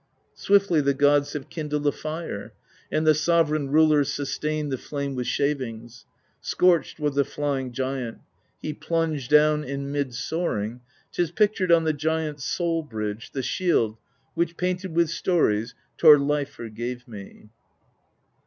Swiftly the gods have kindled A fire; and the sovereign rulers Sustained the flame with shavings: Scorched was the flying giant, — He plunged down in mid soaring: 'Tis pictured on the giant's Sole bridge, the shield which, painted With stories, Thorleifr gave me.